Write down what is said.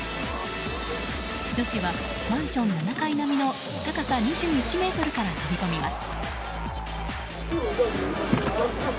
女子はマンション７階並みの高さ２１ｍから飛び込みます。